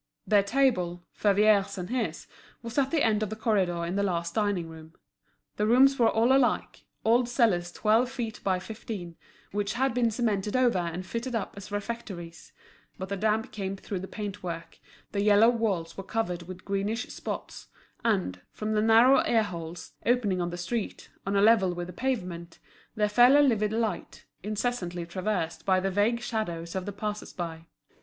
Their table, Favier's and his, was at the end of the corridor in the last dining room. The rooms were all alike, old cellars twelve feet by fifteen, which had been cemented over and fitted up as refectories; but the damp came through the paint work, the yellow walls were covered with greenish spots; and, from the narrow air holes, opening on the street, on a level with the pavement, there fell a livid light, incessantly traversed by the vague shadows of the passers by.